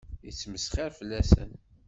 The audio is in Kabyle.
Yettmesxiṛ fell-asen.